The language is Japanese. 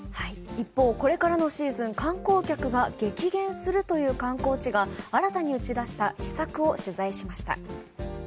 これからのシーズン観光客が激減するという観光地が新たに打ち出した秘策を取材しました。